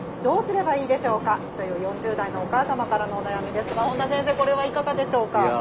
どうすればいいでしょうか？」という４０代のお母様からのお悩みですが本田先生これはいかがでしょうか？